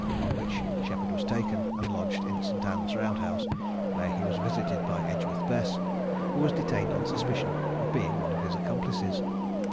on which Sheppard was taken, and lodged in St. Ann's round house, where he was visited by Edgeworth Bess, who was detained on suspicion of being one of his accomplices.